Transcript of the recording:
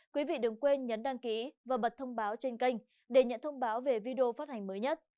quý vị đừng quên nhắn đăng ký và bật thông báo trên kênh để nhận thông báo về video phát hành mới nhất